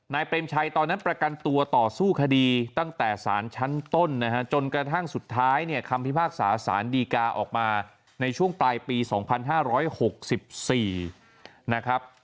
เปรมชัยตอนนั้นประกันตัวต่อสู้คดีตั้งแต่สารชั้นต้นนะฮะจนกระทั่งสุดท้ายเนี่ยคำพิพากษาสารดีกาออกมาในช่วงปลายปี๒๕๖๔นะครับ